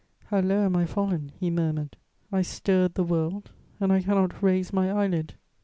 "How low am I fallen!" he murmured. "I stirred the world, and I cannot raise my eyelid."